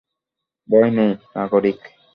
ভয় নেই, নাগরিক।